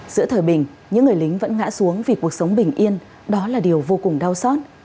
giữa thời bình những người lính vẫn ngã xuống vì cuộc sống bình yên đó là điều vô cùng đau xót